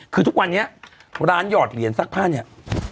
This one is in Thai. คือทุกวันนี้ร้านหยอดเหรียญซักผ้าเนี่ย